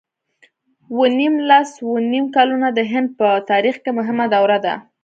اووه نېم لس اووه نېم کلونه د هند په تاریخ کې مهمه دوره ده.